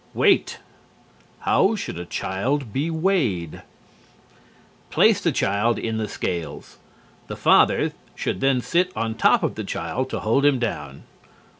WEIGHT How should a child be weighed? Place the child in the scales. The father should then sit on top of the child to hold him down.